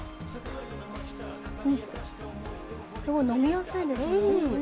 飲みやすいですね。